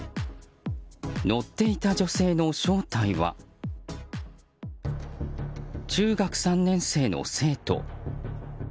乗っていた女性の正体は中学３年生の生徒。